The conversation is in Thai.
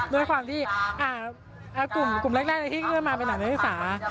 ด้วยความที่กลุ่มแรกที่ขึ้นมาเป็นหนังเรื่องศา